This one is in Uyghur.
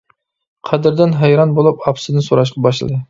قەدىردان ھەيران بولۇپ، ئاپىسىدىن سوراشقا باشلىدى.